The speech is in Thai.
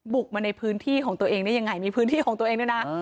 บุกมาในพื้นที่ของตัวเองได้ยังไงมีพื้นที่ของตัวเองด้วยนะ